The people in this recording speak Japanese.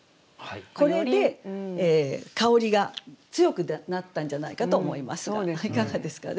これで「香り」が強くなったんじゃないかと思いますがいかがですかね？